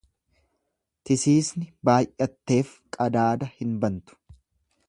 Tisiisni baay'atteef qadaada hin bantu.